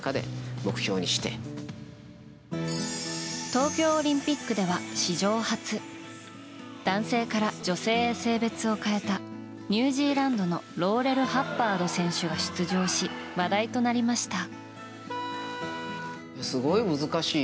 東京オリンピックでは史上初男性から女性へ性別を変えたニュージーランドのローレル・ハッバード選手が出場し話題となりました。